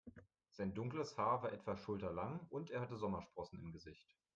Sein dunkles Haar war etwa schulterlang und er hatte Sommersprossen im Gesicht.